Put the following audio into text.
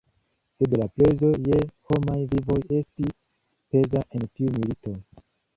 Sed la prezo je homaj vivoj estis peza en tiu milito.